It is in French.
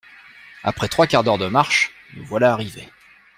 Après trois quarts d’heure de marche, nous voilà arrivés.